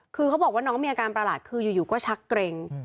คือเขาบอกว่าน้องมีอาการประหลาดคืออยู่ก็ชักเกร็ง